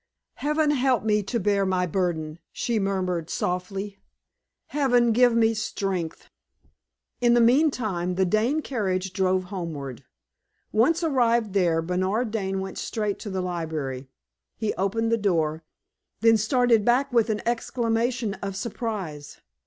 "Heaven help me to bear my burden," she murmured, softly. "Heaven give me strength." In the meantime the Dane carriage drove homeward. Once arrived there, Bernard Dane went straight to the library. He opened the door, then started back with an exclamation of surprise.